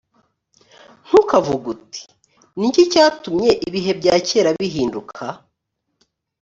ntukavuge uti ni iki cyatumye ibihe bya kera bihinduka